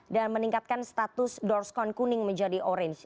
dan meningkatkan status door scone kuning menjadi orange